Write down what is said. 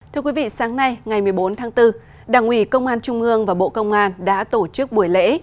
thưa quý vị sáng nay ngày một mươi bốn tháng bốn đảng ủy công an trung ương và bộ công an đã tổ chức buổi lễ